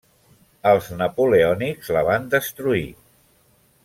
Els napoleònics la van destruir.